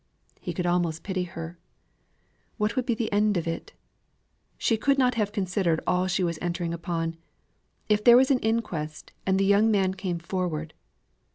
He could almost pity her. What would be the end of it? She could not have considered all she was entering upon; if there was an inquest and the young man came forward.